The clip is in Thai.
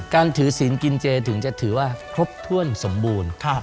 การถือศีลกินเจถึงจะถือว่าครบถ้วนสมบูรณ์